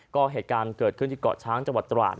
ก็เหตุการณ์เกิดขึ้นที่เกาะช้างจังหวัดตราด